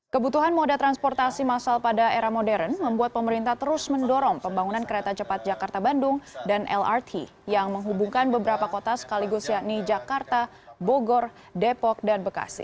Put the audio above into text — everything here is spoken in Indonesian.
kebutuhan moda transportasi masal pada era modern membuat pemerintah terus mendorong pembangunan kereta cepat jakarta bandung dan lrt yang menghubungkan beberapa kota sekaligus yakni jakarta bogor depok dan bekasi